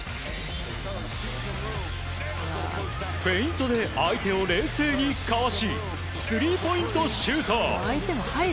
フェイントで相手を冷静にかわしスリーポイントシュート。